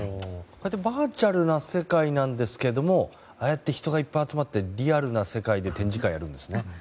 バーチャルな世界なんですけれどもああやって人がいっぱい集まってリアルな世界で展示会やるんですね。